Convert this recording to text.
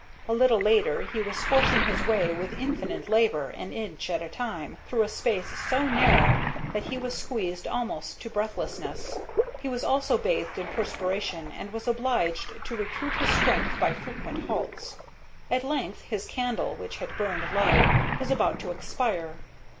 A little later he was forcing his way with infinite labor, an inch at a time, through a space so narrow that he was squeezed almost to breathlessness. He was also bathed in perspiration, and was obliged to recruit his strength by frequent halts. At length his candle, which had burned low, was about to expire.